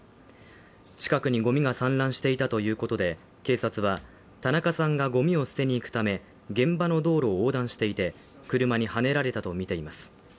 近くにごみが散乱していたということで警察は田中さんがごみを捨てに行くため現場の道路を横断していて車にはねられたとみています。